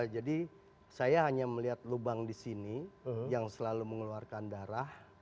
jadi saya hanya melihat lubang di sini yang selalu mengeluarkan darah